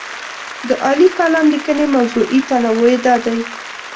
د عالي کالم لیکنې موضوعي تنوع یې دا دی.